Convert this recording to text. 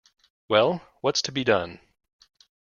Well, what's to be done?